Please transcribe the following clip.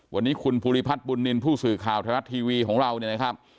วันนี้คุณภูริพัฒน์บุญนินทร์ผู้สื่อข่าวไทยรัฐทีวีของเราเนี่ยนะครับ